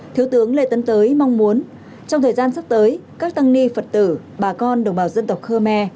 thiếu tướng lê tấn tới mong muốn trong thời gian sắp tới các tăng ni phật tử bà con đồng bào dân tộc khơ me